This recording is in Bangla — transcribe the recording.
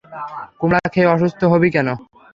কুমড়া খেয়ে অসুস্থ হবি কেন?